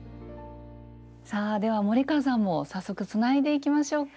さあでは森川さんも早速つないでいきましょうか。